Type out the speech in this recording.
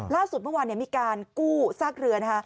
ล่าสุดเมื่อวานมีการกู้ซากเรือนะคะ